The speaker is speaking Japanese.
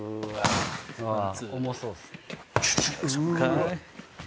重そうっすね。